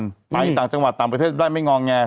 ไปต่างจังหวัดต่างประเทศได้ไม่งอแง